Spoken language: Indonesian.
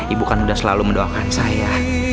ibu kan sudah selalu mendoakan saya